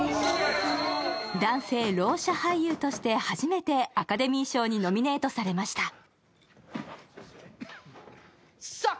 男性・ろう者俳優としてはじめてアカデミー賞にノミネートされました。